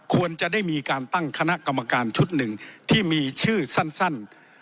ควรจะได้มีการตั้งคณะกรรมการชุดหนึ่งที่มีชื่อสั้น